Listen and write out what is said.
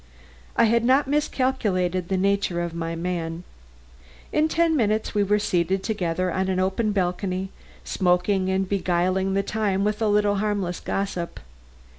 I had not miscalculated the nature of my man. In ten minutes we were seated together on an open balcony, smoking and beguiling the time with a little harmless gossip.